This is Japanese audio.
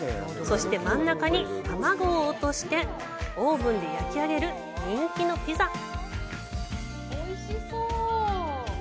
そして真ん中に卵を落として、オーブンで焼き上げる人気のピザ。